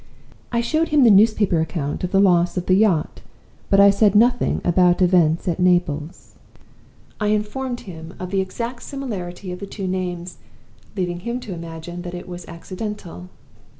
I showed him the newspaper account of the loss of the yacht, but I said nothing about events at Naples. I informed him of the exact similarity of the two names; leaving him to imagine that it was accidental.